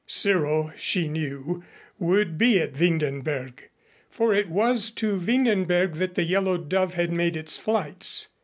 Cyril, she knew, would be at Windenberg, for it was to Windenberg that the Yellow Dove had made its flights.